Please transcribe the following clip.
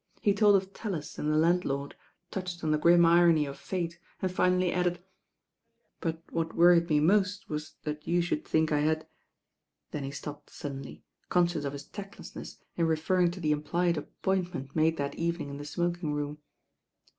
He told of Tallis and the landlord, touched on the grim irony of fate and finally added — "But what worried me most was that you should think I had " then he stopped suddenly, con scious of his tactlessness in referring to the implied appointment made that evening in the smokmg room.